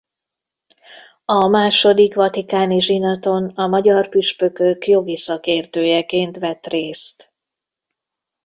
A Második vatikáni zsinaton a magyar püspökök jogi szakértőjeként vett részt.